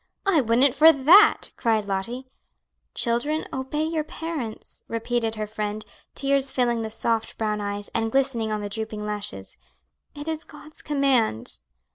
"I wouldn't for that!" cried Lottie. "'Children, obey your parents,'" repeated her friend, tears filling the soft brown eyes, and glistening on the drooping lashes. "It is God's command."